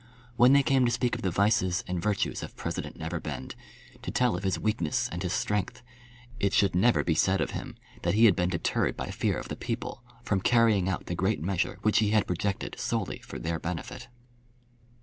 When they came to speak of the vices and the virtues of President Neverbend, to tell of his weakness and his strength, it should never be said of him that he had been deterred by fear of the people from carrying out the great measure which he had projected solely for their benefit.